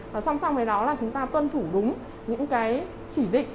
và song song với đó là chúng ta tuân thủ đúng những cái chỉ định